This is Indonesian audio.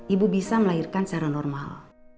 ibu bisa melahirkan secara normal